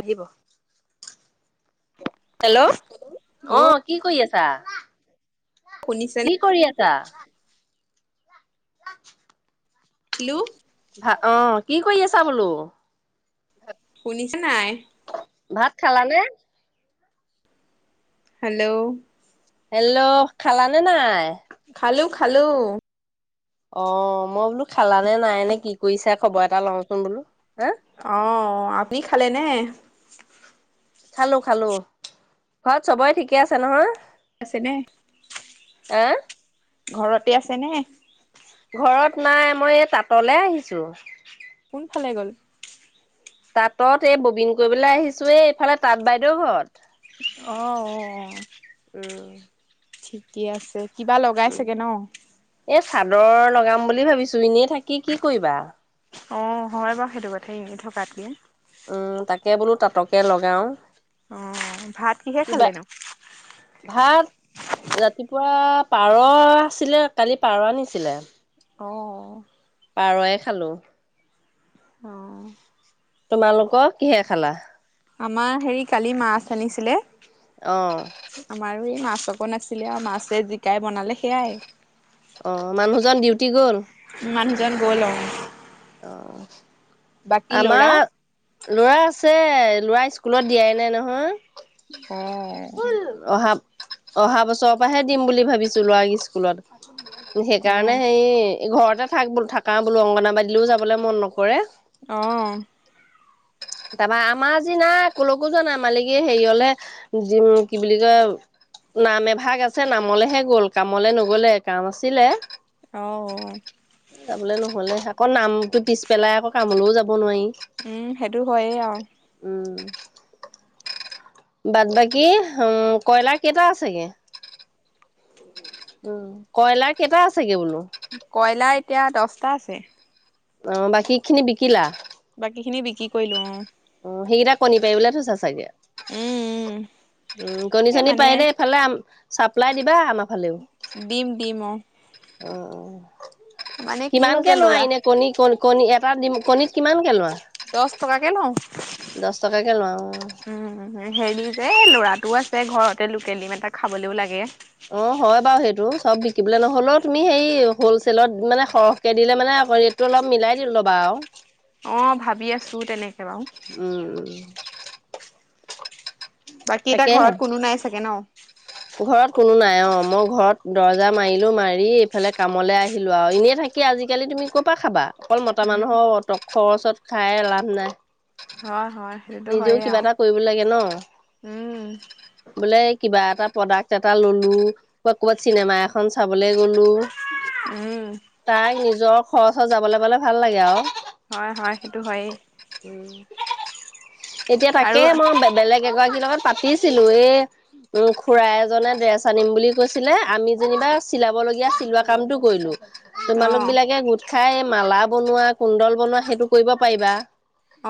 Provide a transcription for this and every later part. আহিব। হেল্ল' অ কি কৰি আছে। আ। শুনিছেনে কি কৰি আছা, হেল্ল'। ভা অ কি কৰি আছা বোলো? শুনিছে নাই? ভাত খালাানে? হেল্ল'। হেল্ল' খালাানে নাই? খালো খালো। অ মই বোলো খালানে নাই নে কি কৰিছা খবৰ এটা লওঁচোন বোলো হা আহ আপুনি খালে নে? খালো খালো ঘৰত চবেই ঠিকে আছে নহয়? আছে নে? এহ ঘৰতে আছে নে? ঘৰত নাই মই এই তাঁতলে আহিছো। কোনফালে গল? তাঁতত এই ববিন কৰিবলৈ আহিছো এ এইফালে তাঁত বাইদেউৰ ঘৰত। আহ অ উ ঠিকেই আছে কিবা লগাই চাগে ন‌? এই চাদৰ লগাম বুলি ভাবিছো এনেই থাকি কি কৰিবা, অ হয় বাৰু সেইটো কথা এনে থকাতকে উম তাকে বোলো তাতকে লগাও অ ভাত কিহে কিবা খালে নো? ভাত ৰাতিপুৱা পাৰ আছিলে কালি পাৰ আনিছিলে, অ পাৰয়ে খালো। অ তোমালোকক কিহে খালা? আমাৰ হেৰি কালি মাছ আনিছিলে, অ আমাৰো এই মাছ চকো নাছিলে আৰু মাছে জিকাই বনালে সেয়াই, অ মানুহজন ডিউটি গল? মানুহজন গ'ল অ আহ বাকী লৰা আমাৰ লৰা আছে ল'ৰা্ স্কুলত দিয়াই নাই নহয়, অ অহা অহা বছৰৰ পৰাহে দিম বুলি ভাবিছো লৰা স্কুলত সেইকাৰণে অ সেই এই ঘৰতে থাক বোল থাকা বোল অংগনাবাদীলৈও যাবলৈ মন নকৰে, অহ তাৰপা আমাৰ যি নাই কোলৈকো য নাই মালিকে হেৰিয়লে কি বুলি কয় নাম এভাগ আছে নামলেহে গল কামলে নগলে কাম আছিলে, অ যাবলৈ নহ'লে আকৌ নামটো পিছ পেলাই আকৌ কামলৈও যাব নোৱাৰি, উম সেইটো হয় আৰু উম বাদ বাকী উ কয়লাৰ কেইটা আছেগে? উ কয়লাৰ কেইটা আছেগে বোলো? কয়লাৰ এতিয়া দহটা আছে। অ বাকী খিনি বিকিলা? বাকী খিনি বিক্ৰী কৰিলো অ। অ সেইকেইটা কণী পাৰি বোলে থৈছা চাগে। উম উম। উম কণী এই চনি মানে পাৰিলে এইফালে চাপ্লাই দিবা আমাক ডিম ডিম অ। উম। মানে কি কিমান কে হৈছে লোৱা লৰা এনে কণী কন কণী এটা দিম কণীত কিমানকে লোৱা? দচ টকাকে লওঁ। দহ টকাকে লওঁ উম, হেৰি যে লৰা দো আছে ঘৰতে লোকেল ডিম এটা খাবলৈও লাগে। অ হয় বাৰু সেইটো চব বিকিবলৈ নহলেও তুমি সেই হলচেলত মানে সৰহকে দিলে মানে ৰেটটো অলপ মিলাই দিল ল'বা আৰু। অ ভাবি আছো তেনেকে। বাৰু উম উম। বাকী এটা তাকেহে ঘৰত কোনো নাই চাগে ন। অঁ মই ঘৰত দৰজা মাৰিলোঁ মাৰি এইফালে কামলৈ আহিলোঁ আৰু এনেই থাকি আজিকালি তুমি ক'ৰপৰা খাবা? অকল মতা উম মানুহৰ অটক খৰচত খাই লাভ নাই। হয় হয় সেইটোতো নিজেও হয়েই আৰু কিবা এটা কৰিব লাগে ন, উম বোলে কিবা এটা প্ৰডাক এটা ললো, বা কবাত চিনেমা এখন চা ক গলো, উম তাই নিজৰ খচ ওছৰ যাবলৈ প'লে ভাল লাগে আৰু। হয় হয় সেইটো হয়েই। এতিয়া তাকে আৰু মই বেলেগ কে, গৰাকীৰ লগত পাতিছিলো এই উম খুৰা এজনে ড্ৰেছ আনিম বুলি কৈছিলে আমি যেনিবা চিলাব লগীয়া চিলোৱা কামটো কৰিলো। অ তোমালোক বিলাকে গোট খাই মালা বনোৱা, কুণ্ডল বনোৱা সেইটো কৰিব পাৰিবা।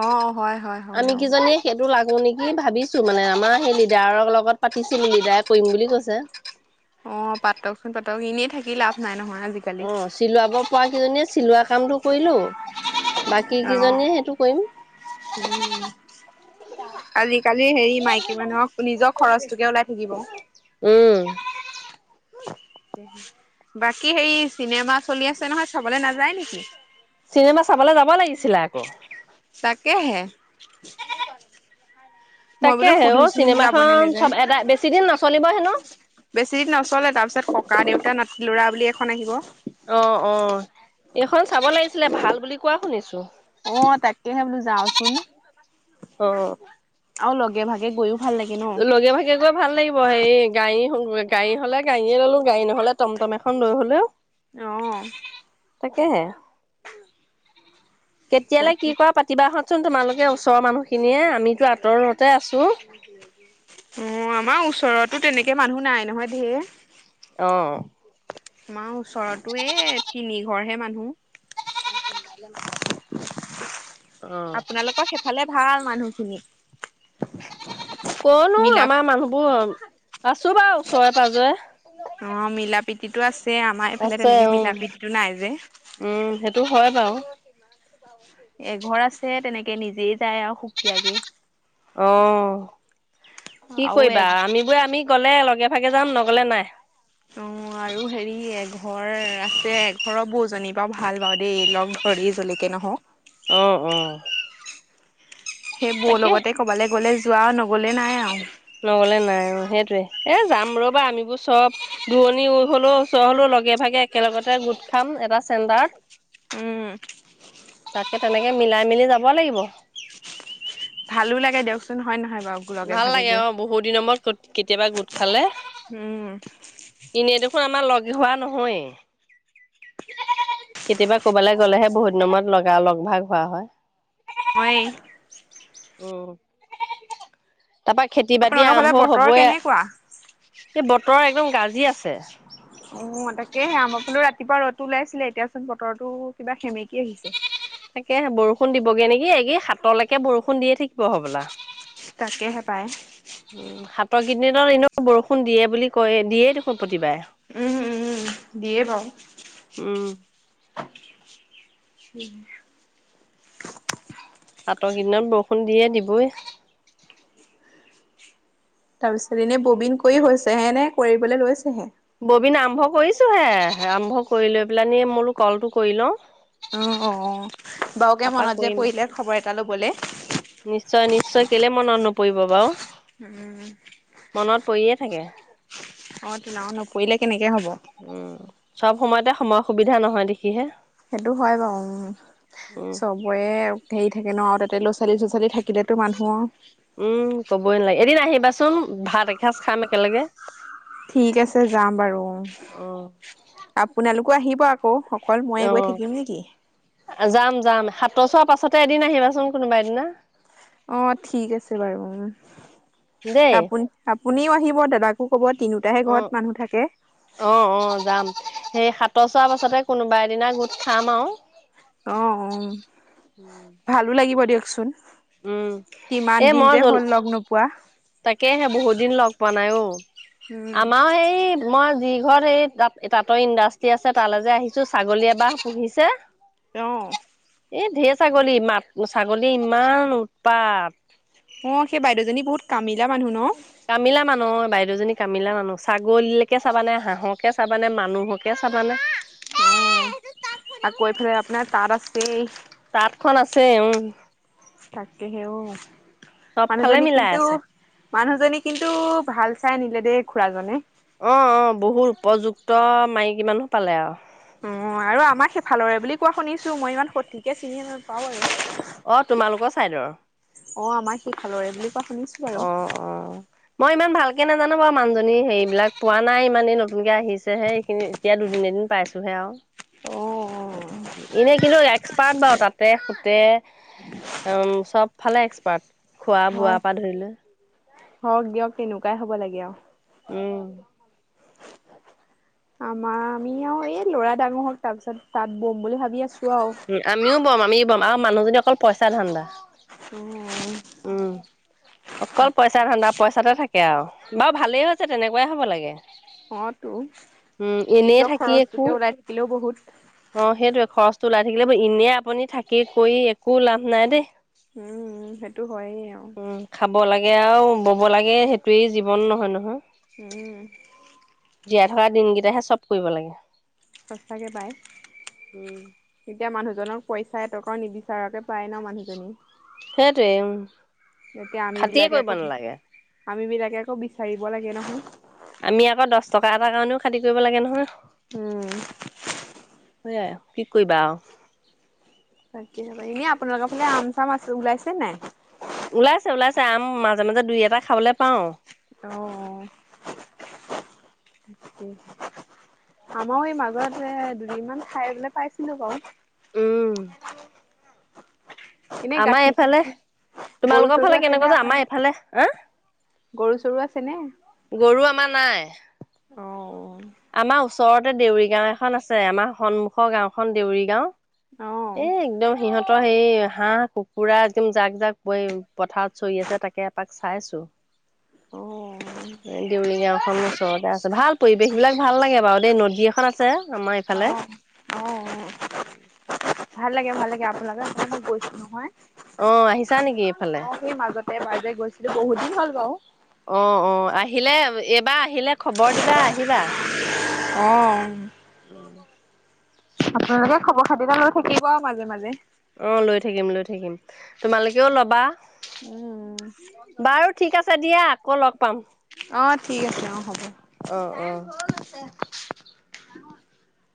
অ হয় হয় হয় আমি অ কিজনে টো লাগোঁ নেকি ভাবিছো মানে আমাৰ সেই লিডাৰৰ লগত পাতিছিল লিডাৰে কৰিম বুলি কৈছে। অ পাতকচোন পাতক এনেই থাকি লাভ নাই নহয়। আজিকালি, অ চিলোৱাব পৰা কেইজনীয়ে চিলোৱা কামটো কৰিলো বাকী আহ, কেইজনীয়ে সেইটো কৰিম। উম আজিকালি হেৰি মাইকী মানুহক নিজৰ খৰচটোকে ওলাই থাকিব। উম বাকী হেৰি চিনেমা চলি আছে নহয় চাবলে নাযায় নেকি চিনেমা চাবলে যাব লাগিছিলে আক তাকেহে মই বোলো তাকেহে অ সুধোচোন যাব নে চিনেমাখন চব নেযায় এদাই বেছি দিন নচলিব হেনো। বেছি দিন নচলে তাৰ পিছত ককা দেউতা নাটি লৰা বুলি এখন আহিব। অ অ এইখন চাব লাগি ছিলে ভাল বুলি কোৱা শুনিছোঁ অ তাকেহে বোলো যাওঁচোন অ আৰু লগ লগে ভাগে গৈও ভাল লাগে ন। লগে ভাগে গৈ ভাল লাগিব হে গায়ী গাড়ী হ'লে গাড়ীয়ে ললো গাড়ী নহ'লে টমটম এখন লৈ হ'লেও অহ তাকেহে কেতিয়ালে কি তাকে। কৰা পাতিবাহত চোন তোমালোকে ওচৰৰ মানুহখিনিয়ে আমিতো আঁতৰতে আছোঁ অ আমাৰ ওচৰতো তেনেকে মানুহ নাই নহয় ধেৰ অহ আমাৰ ওচৰতো এই তিনি ঘৰহে মানুহ ম [inaudible] [unintelligible] আপোনালোকক সেইফালে ভাল মানুহ খিনি কনো আমাৰ মানুহবোৰ আছোঁ বাৰু ওচৰে পাজৰে অ মিলা প্ৰীতিতো আছে যে আমাৰ এইফালে আছে তেনেকে উম, মিলা প্ৰীতিটো নাই যে বাও এঘৰ আছে তেনে কে নিজেই যায় আৱ সুকীয়াকে অহ কি আৰু কৰিবা এঘ আমি বোৰে আমি গলে লগে ভাগে যাম নগলে নাই অ আৰু হেৰি এঘৰ আছে এঘৰৰ বৌজনী বা ভাল বাৱ দেই লগ ধৰেই যেনেকে নহওঁক অহ অ সেই বৌ তাকে লগতে ক'বালে গ'লে যোৱা ন নগলে নাই অ সেই এ যাম ৰ'বা আমিবোৰ চব দূৰণি হ'লেও ওচৰ হ'লেও লগে ভাগে একেলগতে গোট খাম এটা চেণ্টাৰত উম তাকে তেনেকে মিলাই মিলি যাব লাগিব ভালো লাগে দিয়কচোন হয় নহয় বাৰু লগে ভাল ভাগে লাগে। গৈ অ'! বহু দিনৰ মূৰত কেতিয়াবা গোট খালে। উম! এনেই দেখোন আমাৰ লগ হোৱা নহয়েই। কেতিয়াবা কৰবালৈ গ'লেহে বহুত দিনৰ মূৰত লগ ভাগ হোৱা হয়। মই উম! তাৰ পৰা খেতি বাতি আপোনালোকৰ ফালে আৰম্ভ বতৰ কেনেকুৱা হ'বই। বতৰ একদম গাজি আছে। উম, তাকেহে আমাৰ ফালো ৰাতিপুৱা ৰ'দো ওলাইছিলে। এতিয়াচোন বতৰটো কিবা সেমেকি আহিছে। তাকেহে বৰষুণ দিবগে নেকি। এই কি সাতলৈকে বৰষুণ দিয়ে থাকিব হ'বলা! তাকেহে পায়। প্ৰকৃতি দিনত এনেও বৰষুণ দিয়ে বুলি কৈয়ে। দিয়েই দেখোন প্ৰতি বাৰেই। উম, উম, দিয়ে বাওঁ। উম [unintelligible] সাতৰ কেইদিনত বৰষুণ দিয়ে, দিবই। তাৰপিছত এনে, ববিন কৰি হৈছে, এনে, কৰিবলৈ লৈছেহে? ববিন আৰম্ভ কৰিছোঁ হে। আৰম্ভ কৰি লৈ পেলানি মোৰো ক'লটো কৰি লওঁ। বাওকে তাৰপা মনত যে কৰিম পৰিলে খবৰ এটা ল'বলে। নিশ্চয় নিশ্চয় কেলে মনত নপৰিব বাৰু। উম! মনত পৰিয়ে থাকে। অ'! তেনেহ'লে নপৰিলে কেনেকে? হ'ব। উম, চব সময়তে, সময়ৰ সুবিধা নহয়, দেখিহে। সেইটো হয় বাৰু উম চবৰে ঢেই থাকে ন'। তাতে ল'ৰা ছোৱালী চ'ৰা ছোৱালী থাকে ন'? উম, ক'বই নালাগে। এদিন আহিব বাচোন ভাত এসাঁজ খাম একেলগে। ঠিক আছে যাম বাৰু। অ আপোনালোক আকৌ, আহিব আকৌ? অকল ময়ে গৈ অ'! থাকিম নেকি? যাম, যাম। ত' চোৱাৰ পাছতে এদিন আহিবাচোন, কোনোবা এদিনা। অ'! ঠিক আছে বাৰু। উম! দেই আপুনি কোনেও আহিব, দাদাকো ক'ব! তিনিওটাহে ঘৰত উম, মানুহ থাকে অ'! অ'! যাম। সেই সাতৰ চোৱাৰ পাছতে কোনোবা এদিনা গোট খাম আৰু। অ ভালো লাগিব দিয়ক চোন উম, কিমান এ দিন মই যে জল হ'ল লগ নোপোৱা তাকেহে বহুত দিন লগ পোৱা নাই অ উম আমাৰ এই মই যি ঘৰত এই তাত তাঁতৰ ইণ্ডাষ্ট্ৰি আছে তালৈ যে আহিছো ছাগলী এবাহ পুহিছে তেওঁ এই ঢেৰ ছাগলী মাত ছাগলী ইমান উৎপাত অ সেই বাইদেউজনী বহুত কামিলা মানুহ ন কামিলা মানুহ বাইদেউজনী কামিলা মানুহ ছাগলীকে চাবানে হাঁহকে চাবানে মানুহকে চাবানে অ আকৌ এফালে আপোনাৰ তাত আছেই তাঁতখন আছে উম তাকেহে অ চবফালে মানুহজনী মিলাই কিন্তু আছে মানুহজনী কিন্তু ভাল চাই আনিলে দেই খুৰাজনে অ অ বহুত উপযুক্ত মাইকী মানুহ পালে আৰু উ আৰু আমাক সেইফালৰে বুলি কোৱা শুনিছো মই ইমান সঠিকে চিনি নাপাওঁ আৰু অ তোমালোকৰ ছাইডৰ অ আমাৰ সি খালৰে বুলি কোৱা শুনিছো বাৰু অ অ মই ইমান ভাল কে নাজানো বাৰু মানুহজনী হেৰিবিলাক পোৱা নাই ইমান এই নতুনকে আহিছেহে এখিনি এতিয়া দুদিনে এদিন পাইছোহে আৰু অ অ এনে কিন্তু এক্সপাৰ্ট বাৰু তাতে সুতে উ চব ফালে এক্সপাৰ্ট খোৱা হয় বোৱাৰ পৰা ধৰি লৈ হওক দিয়ক তেনেকুৱাই হ'ব লাগে আৰু উম আমাৰ আমি আৰু এই লৰা ডাঙৰ হওক তাৰ পিছত তাত বম বুলি ভাবি আছো আৰু। উ আমিও বম আমি আৰু মানুহ যদি অকল পইচা ধান্দা অ', উম অকল পইচা ধান্দা না পইচাতে থাকে আৰু বাৰু ভালেই হৈছে তেনেকুৱাই হ'ব লাগে। অ তো উম এনেই নিজৰ থাকি একো খৰচটোকে ওলাই থাকিলেও বহুত অ সেইটোৱে খৰচটো ওলাই থাকিলে এনেই আপুনি থাকি কৰি একো লাভ নাই দেই। উম, সেইটো হয়েই আৰু উম খাব লাগে আৰু ব'ব লাগে সেইটোৱেই জীৱন নহয় নহয় উম জীয়াই থকা দিনকেইটাহে চব কৰিব লাগে সচাকে পাই উম এতিয়া মানুহ মানুহজনক পইচা এটকাও নিবিচাৰকে পায় ন মানুহজনী সেইটোৱে এতিয়া আমি খাটিয়ে বিলাকে কৰিব আকৌ নালাগে আমি বিলাকে আকৌ বিচাৰিব লাগে নহয় আমি আকৌ দহ টকা এটাৰ কাৰণেও খাতি কৰিব লাগে নহয় উম সেয়াই কি কৰিবা আৰু তাক বোলো এনে আপোনালোকৰ ফালে আম চাম আছে ওলাইছে নাই ওলাইছে ওলাইছে আম মাজে মাজে দুই এটা খাবলে পাওঁ অ আমাৰ এই মাজতে দুদিনমান খাই বলে পাইছিলো বাৰু উম এনে আমাৰ গাখীৰ এইফালে চাখীৰ গৰু তোমালোকৰ চৰু ফালে আছে নে কেনেকুৱা যে আমাৰ আপোনাৰ এইফালে হ গৰু চৰু আছে নে? গৰু আমাৰ নাই। অ'। আমাৰওচ ওচৰতে দেউৰী গাঁও এখন আছে আমাৰ সন্মুখৰ গাঁওখন দেউৰী গাঁও এ অ'। একদম সিহঁত তই সেই হাঁহ কুকুৰা একদম জাক জাক ব পথাৰত চৰি আছে তাকে এপাক চাইছো অ'। দেউৰি গাওঁ খন ওচৰতে আছে ভাল পৰিৱেশ বিলাক ভাল লাগে বাৰু দেই নদী এখন আছে। আমাৰ এইফালে উম [inaudible] ভাল লাগে ভাল লাগে আপোনালোকৰ সেইফালে গৈছো নহয় আহ আহিছা নেকি এইফালে বহুত দিন বহুত দিন হ'ল বাৰু অ অ আহিলে এইবাৰ আহিলে খবৰ দিবা আহিবা অ উম আপোনালোকে খবৰ খাতি লৈ থাকিব আৰু মাজে মাজে অ লৈ থাকিম লৈ থাকিম তোমালোকেও লবা উম বাৰু ঠিক দিয়া আকৌ লগ পাম অঁ ঠিক আছে অঁ হ'ব শ আছে